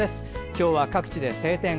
今日は各地で晴天。